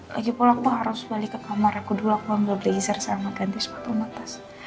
lagi pola aku harus balik ke kamar aku dulu aku ambil blazer sama ganti sepatu matas